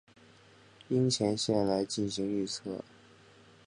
樱前线来进行预测。